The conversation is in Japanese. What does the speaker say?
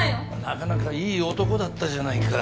なかなかいい男だったじゃないか。